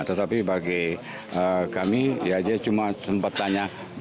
tetapi bagi kami ya dia cuma sempat tanya